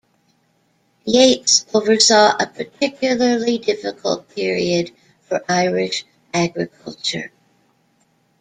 Yates oversaw a particularly difficult period for Irish agriculture.